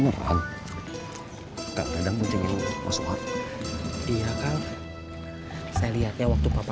papa gak mau dibisahin sama jeniper